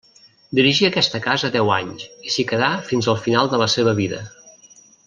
Dirigí aquesta casa deu anys i s'hi quedà fins al final de la seva vida.